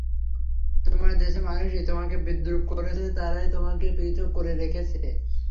তোমার দেশের মানুষই তোমাকে বিদ্রূপ করেছে, তারাই তোমাকে পৃথক করে রেখেছে।